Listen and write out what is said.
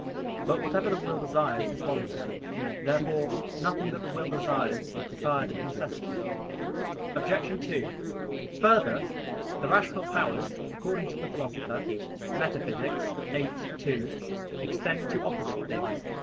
But whatever the will desires is voluntary. Therefore nothing that the will desires is desired of necessity. Obj. 2: Further, the rational powers, according to the Philosopher (Metaph. viii, 2), extend to opposite things.